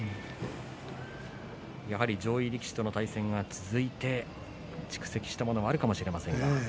やはり上位力士との対戦が続いて蓄積したものがあるかもしれません。